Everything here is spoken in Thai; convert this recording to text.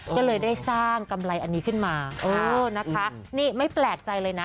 ก็เลยได้สร้างกำไรอันนี้ขึ้นมาเออนะคะนี่ไม่แปลกใจเลยนะ